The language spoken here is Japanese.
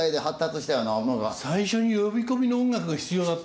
最初に呼び込みの音楽が必要だった？